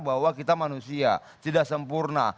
bahwa kita manusia tidak sempurna